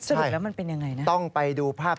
สรุปแล้วมันเป็นยังไงนะ